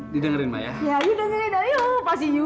pokoknya yang penting kamu kampus aja dulu ya